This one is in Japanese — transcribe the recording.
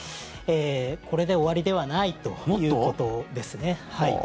これで終わりではないということですね。